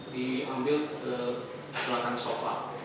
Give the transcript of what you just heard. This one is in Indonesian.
diambil ke belakang sofa